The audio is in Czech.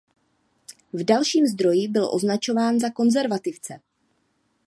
V dalším zdroji byl označován za konzervativce.